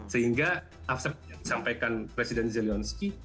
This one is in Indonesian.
sehingga seperti yang disampaikan presiden zeljonski